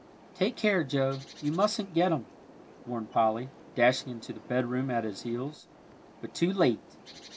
"Take care, Joe, you mustn't get 'em," warned Polly, dashing into the bedroom at his heels. But too late!